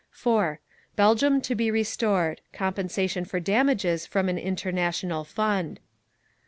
(4) Belgium to be restored. Compensation for damages from an international fund.